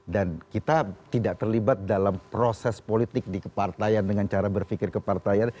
dan kita tidak terlibat dalam proses politik di kepartaian dengan cara berpikir kepartaian